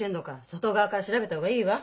外側から調べた方がいいわ。